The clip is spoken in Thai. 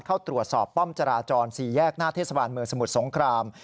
เข้าตรวจสอบป้อมจราจร๔แยกหน้าเทศบาลเมืองสมุทรสงคราม